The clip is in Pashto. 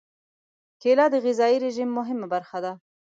کېله د غذايي رژیم مهمه برخه ده.